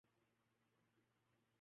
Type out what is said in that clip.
اس کی تشہیر پورے ملک میں ہوتی تھی۔